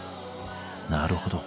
なるほど。